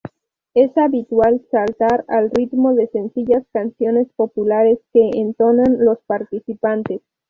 Es habitual saltar al ritmo de sencillas canciones populares que entonan los participantes.